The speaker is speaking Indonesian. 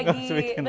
nggak usah bikin lagi